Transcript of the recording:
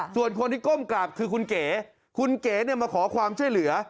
ส่วนคนที่ก้มกราบคือคุณเก๋คุณเก๋มาขอความช่วยเหลือ